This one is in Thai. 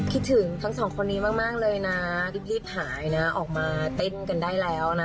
คิดถึงทั้งสองคนนี้มากเลยนะรีบหายนะออกมาเต้นกันได้แล้วนะ